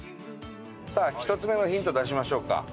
さあ１つ目のヒント出しましょうか。